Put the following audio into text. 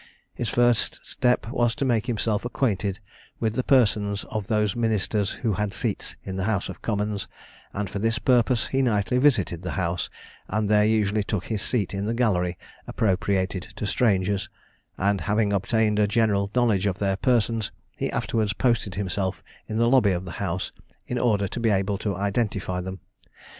His first step was to make himself acquainted with the persons of those ministers who had seats in the House of Commons, and for this purpose he nightly visited the House and there usually took his seat in the gallery appropriated to strangers; and having obtained a general knowledge of their persons, he afterwards posted himself in the lobby of the House, in order to be able to identify them.